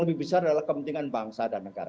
lebih besar adalah kepentingan bangsa dan negara